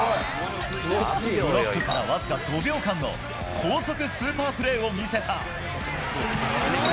ブロックから僅か５秒間の高速スーパープレーを見せた。